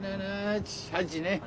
８ね。